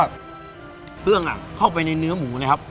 เครื่องเข้าไปในเนื้อหมูนะครับ